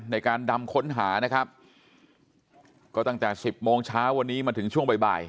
ในการดำค้นหานะครับก็ตั้งแต่สิบโมงเช้าวันนี้มาถึงช่วงบ่ายบ่าย